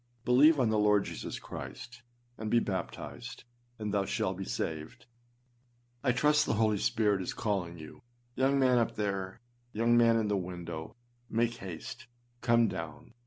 Believe on the Lord Jesus Christ, and be baptized, and thou shalt be saved. I trust the Holy Spirit is calling you. Young man up there, young man in the window, make haste! come down!